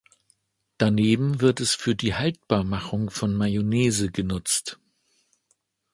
Daneben wird es für die Haltbarmachung von Mayonnaise genutzt.